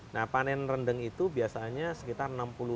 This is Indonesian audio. nah panen rendeng itu biasanya sekitar enam puluh